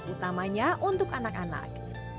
utamanya untuk anak anak